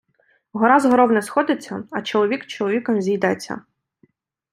Гора з горов не сходиться, а чоловік з чоловіком зійдеться.